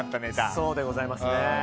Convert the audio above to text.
そうでございますね。